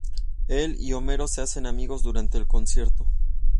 Él y Homero se hacen amigos durante el concierto.